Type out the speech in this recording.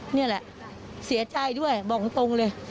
นี่แหละเสียใจด้วยบอกตรงเลย